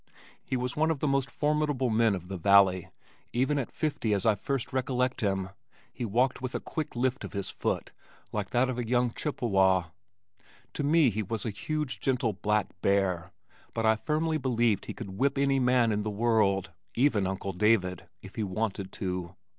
He was one of the most formidable men of the valley even at fifty as I first recollect him, he walked with a quick lift of his foot like that of a young Chippewa. To me he was a huge gentle black bear, but I firmly believed he could whip any man in the world even Uncle David if he wanted to.